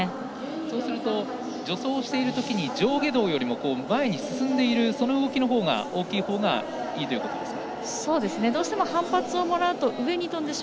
そうすると助走しているときに上下動よりも、前に進んでいるその動きのほうが大きいほうがいいということですか。